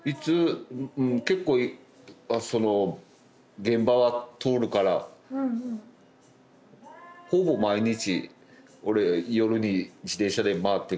結構その現場は通るからほぼ毎日俺夜に自転車で回っていく。